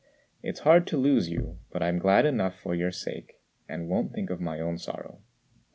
It's hard to lose you; but I'm glad enough for your sake, and won't think of my own sorrow."